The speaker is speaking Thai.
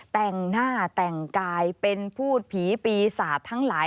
แต่งหน้าแต่งกายเป็นพูดผีปีศาจทั้งหลาย